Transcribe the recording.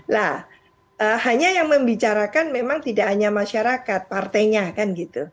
lah hanya yang membicarakan memang tidak hanya masyarakat partainya kan gitu